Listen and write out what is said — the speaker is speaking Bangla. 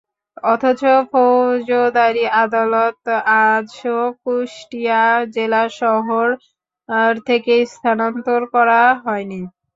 অথচ ফৌজদারি আদালত আজও কুষ্টিয়া জেলা শহর থেকে স্থানান্তর করা হয়নি।